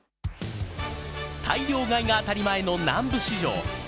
大量買いが当たり前の南部市場。